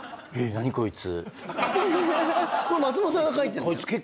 何こいつ。